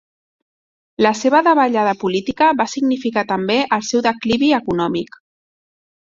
La seva davallada política va significar també el seu declivi econòmic.